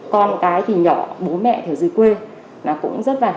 con cái thì nhỏ bố mẹ thì ở dưới quê nó cũng rất là